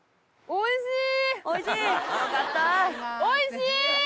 おいしい！